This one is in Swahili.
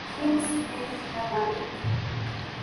Mimi sipendi kulalamika